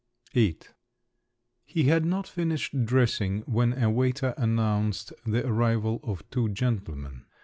VIII He had not finished dressing, when a waiter announced the arrival of two gentlemen.